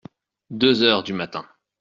Deux heures du matin.